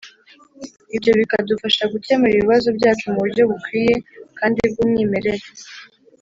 ibyo bikadufasha gukemura ibibazo byacu mu buryo bukwiye kandi bw’umwimerere,